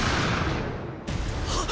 はっ！